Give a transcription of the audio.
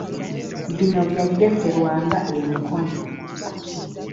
Bino bya Jesse Lwanga e Mukono.